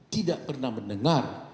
tidak pernah mendengar